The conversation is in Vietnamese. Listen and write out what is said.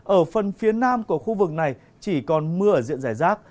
ở phần phía nam của khu vực này chỉ còn mưa ở diện giải rác